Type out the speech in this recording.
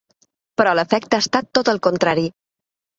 Però l’efecte ha estat tot el contrari.